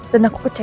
dan aku kecewa